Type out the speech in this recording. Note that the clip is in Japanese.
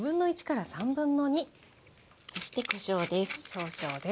そしてこしょうです。